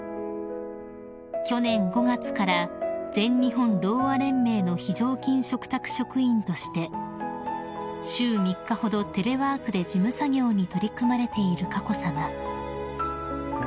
［去年５月から全日本ろうあ連盟の非常勤嘱託職員として週３日ほどテレワークで事務作業に取り組まれている佳子さま］